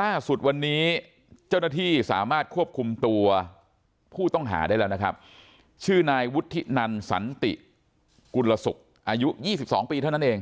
ล่าสุดวันนี้เจ้าหน้าที่สามารถควบคุมตัวผู้ต้องหาได้แล้วนะครับชื่อนายวุฒินันสันติกุลศุกร์อายุ๒๒ปีเท่านั้นเอง